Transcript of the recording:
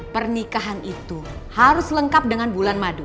pernikahan itu harus lengkap dengan bulan madu